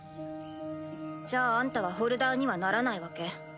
じゃああんたはホルダーにはならないわけ？